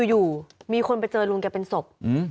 อยู่มีคนไปเจอลุงแกเป็นศพ